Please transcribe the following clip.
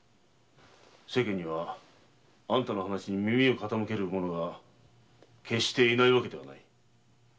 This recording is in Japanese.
世間にはあんたの話に耳を傾ける者が決して居ないわけではない。